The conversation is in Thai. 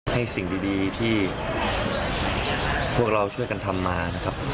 สิ่งดีที่พวกเราช่วยกันทำมานะครับ